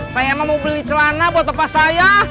saya emang mau beli celana buat bapak saya